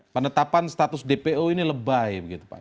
penetapan status dpo ini lebay begitu pak